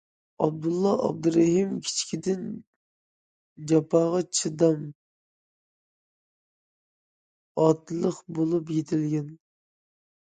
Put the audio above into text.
ئابدۇللا ئابدۇرېھىم كىچىكىدىن جاپاغا چىدام، ئاتلىق بولۇپ يېتىلگەن.